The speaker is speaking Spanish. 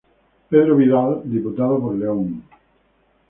Pedro Vidal, diputado por León.